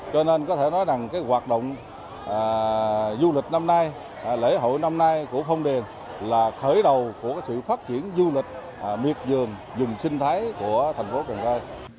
cho nên có thể nói rằng hoạt động du lịch năm nay lễ hội năm nay của phong điền là khởi đầu của sự phát triển du lịch miệt dường dùng sinh thái của thành phố cần thơ